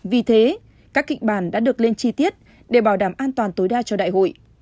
vì thế các kịch bản đã được lên chi tiết để bảo đảm an toàn tối đa cho đại hội